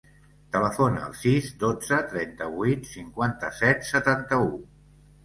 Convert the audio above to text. Telefona al sis, dotze, trenta-vuit, cinquanta-set, setanta-u.